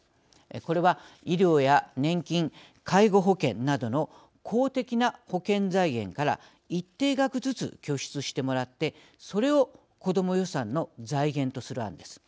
これは医療や年金、介護保険などの公的な保険財源から一定額ずつ拠出してもらってそれを子ども予算の財源とする案です。